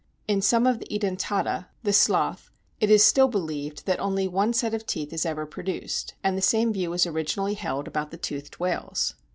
In some of the Edentata (the Sloth) it is still believed that only one set of teeth is ever produced ; and the same view was originally held about the toothed whales.